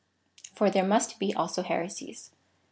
For there must he also heresies.